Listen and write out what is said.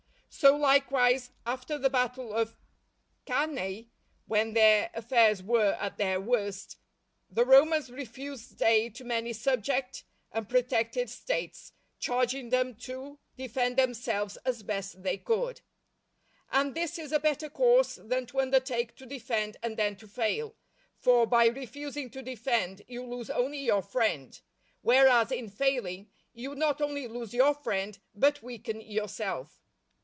So, likewise, after the battle of Cannæ, when their affairs were at their worst, the Romans refused aid to many subject and protected States, charging them to defend themselves as best they could. And this is a better course than to undertake to defend and then to fail; for by refusing to defend, you lose only your friend; whereas in failing, you not only lose your friend, but weaken yourself.